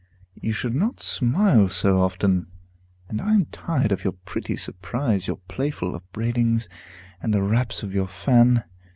You should not smile so often; and I am tired of your pretty surprise, your playful upbraidings, and the raps of your fan.